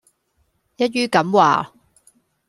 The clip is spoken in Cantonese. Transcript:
一於噉話